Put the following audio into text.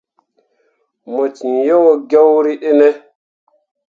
Mo ciŋ yo gyõrîi ɗine.